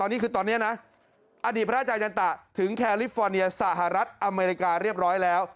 อดีตพระอาจารย์ยันตะถึงแคลิฟฟอร์เนียสหรัฐอเมริกาเรียบร้อยแล้ว